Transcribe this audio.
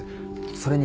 それに。